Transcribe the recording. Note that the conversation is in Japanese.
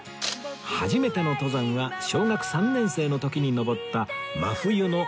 初めての登山は小学３年生の時に登った真冬の八ヶ岳